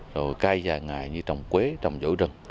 rồi cây dài ngày như trồng quế trồng giữ rừng